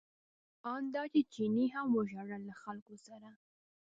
ان دا چې چیني هم وژړل له خلکو سره.